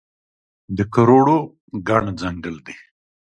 د کروړو ګڼ ځنګل دی